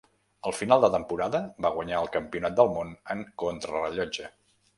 A final de temporada va guanyar el Campionat del món en contrarellotge.